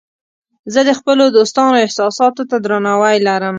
زه د خپلو دوستانو احساساتو ته درناوی لرم.